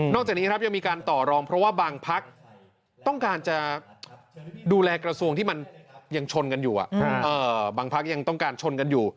นอกจากนี้หยมมีการต่อรองเพราะว่าบางพักต้องการจะดูแลกระทรวงที่ยังชนกันอยู่